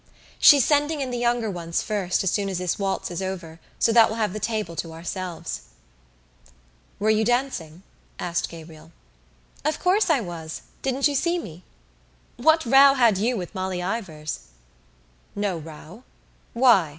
"She's sending in the younger ones first as soon as this waltz is over so that we'll have the table to ourselves." "Were you dancing?" asked Gabriel. "Of course I was. Didn't you see me? What row had you with Molly Ivors?" "No row. Why?